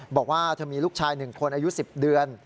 บอกว่าเธอมีลูกชาย๑คนอายุ๑๐เดือน